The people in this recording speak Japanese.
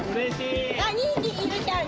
あっ２匹いるじゃん。